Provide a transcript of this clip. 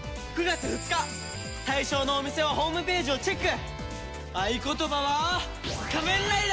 対象のお店はホームページをチェック！